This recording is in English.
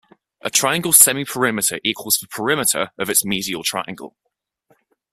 A triangle's semiperimeter equals the perimeter of its medial triangle.